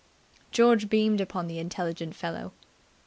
George beamed upon the intelligent fellow.